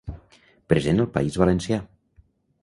Present al País Valencià.